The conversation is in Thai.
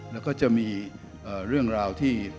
แล้วก็จะมีเรื่องราวที่